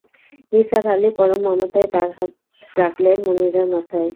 নিসার আলি পরম মমতায় তাঁর হাত রাখলেন মুনিরের মাথায়।